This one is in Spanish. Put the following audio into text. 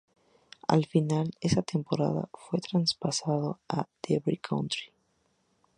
Al finalizar esa temporada fue traspasado al Derby County.